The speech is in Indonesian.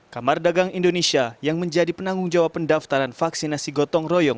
kamar dagang indonesia yang menjadi penanggung jawab pendaftaran vaksinasi gotong royong